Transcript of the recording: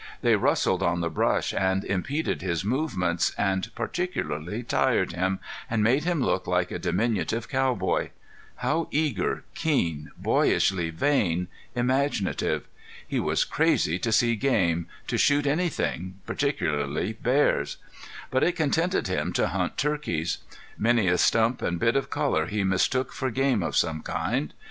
They rustled on the brush and impeded his movements, and particularly tired him, and made him look like a diminutive cowboy. How eager, keen, boyishly vain, imaginative! He was crazy to see game, to shoot anything, particularly bears. But it contented him to hunt turkeys. Many a stump and bit of color he mistook for game of some kind.